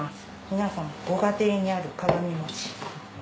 皆さんご家庭にある鏡餅。